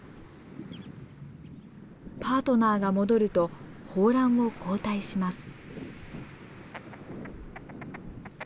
パートナーが戻ると抱卵を交代します。